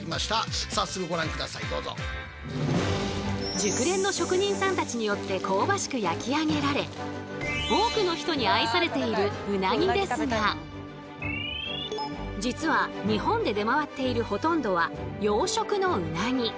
熟練の職人さんたちによって香ばしく焼き上げられ多くの人に実は日本で出回っているほとんどは養殖のうなぎ。